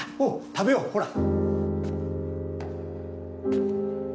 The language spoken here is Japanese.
食べようほら！